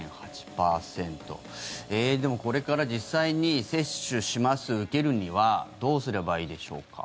でも、これから実際に接種します、受けるにはどうすればいいでしょうか。